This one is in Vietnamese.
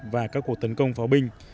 và các cuộc tấn công pháo binh